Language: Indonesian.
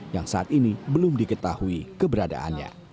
yang saat ini belum diketahui keberadaannya